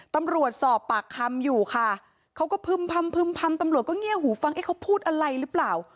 ตำรวจสอบปากคำอยู่ค่ะเขาก็พึ่มพำพึ่มพำตำรวจก็เงียบหูฟังเอ๊ะเขาพูดอะไรหรือเปล่า